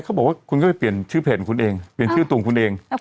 เขาบอกว่าคุณก็ไปเปลี่ยนชื่อเพจของคุณเองเปลี่ยนชื่อตัวของคุณเอง